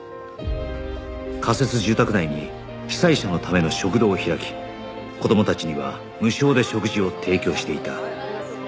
仮設住宅内に被災者のための食堂を開き子供たちには無償で食事を提供していた